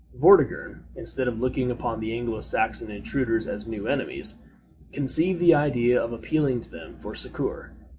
Vortigern, instead of looking upon the Anglo Saxon intruders as new enemies, conceived the idea of appealing to them for succor.